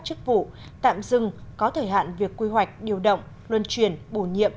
chức vụ tạm dừng có thời hạn việc quy hoạch điều động luân truyền bổ nhiệm